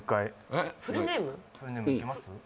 フルネームいけます？